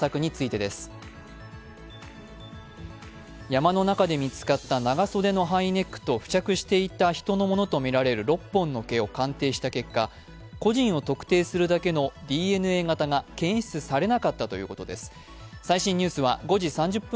山の中で見つかった長袖のハイネックと付着していた、人のものとみられる６本の毛を鑑定したところ個人を特定するだけのＤＮＡ型が検出されなかったということです。